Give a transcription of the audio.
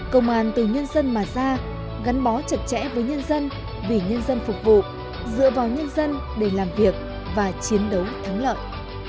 công an từ nhân dân mà ra gắn bó chặt chẽ với nhân dân vì nhân dân phục vụ dựa vào nhân dân để làm việc và chiến đấu thắng lợi